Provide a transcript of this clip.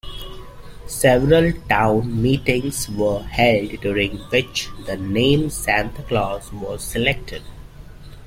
Several town meetings were held, during which the name "Santa Claus" was selected.